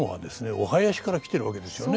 お囃子から来てるわけですよね。